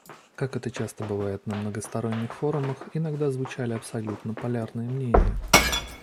Как это часто бывает на многосторонних форумах, иногда звучали абсолютно полярные мнения.